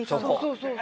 そうそう。